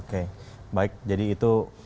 oke baik jadi itu